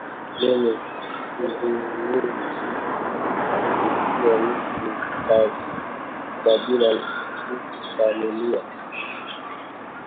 zenye kudhulumu si kihisia si kikabila si kifamilia